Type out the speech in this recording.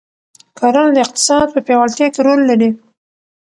کرنه د اقتصاد په پیاوړتیا کې رول لري.